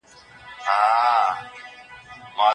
کلیوالي سيمي څه غوښتني لري؟